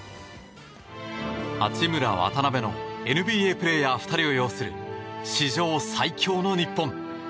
八村、渡邊のＮＢＡプレーヤー２人を擁する史上最強の日本。